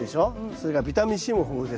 それからビタミンＣも豊富です。